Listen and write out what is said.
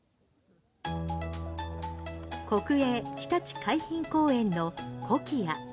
国営ひたち海浜公園のコキア。